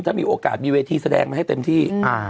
ถ้ามีโอกาสมีเวทีแสดงมาให้เต็มที่